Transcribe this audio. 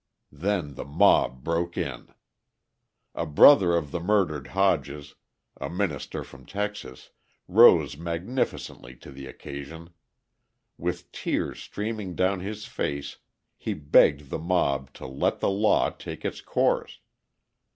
Then the mob broke in. A brother of the murdered Hodges, a minister from Texas, rose magnificently to the occasion. With tears streaming down his face, he begged the mob to let the law take its course.